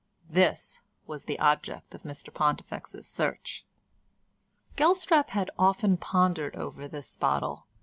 This was the object of Mr Pontifex's search. Gelstrap had often pondered over this bottle.